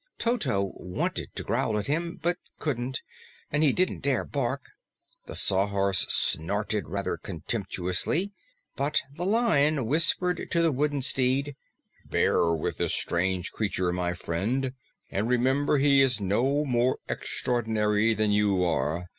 Toto wanted to growl at him, but couldn't, and he didn't dare bark. The Sawhorse snorted rather contemptuously, but the Lion whispered to the wooden steed, "Bear with this strange creature, my friend, and remember he is no more extraordinary than you are.